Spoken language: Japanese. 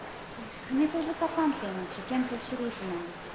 『金子塚探偵の事件簿』シリーズなんです。